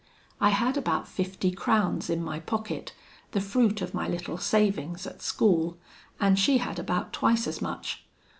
I had about fifty crowns in my pocket, the fruit of my little savings at school; and she had about twice as much.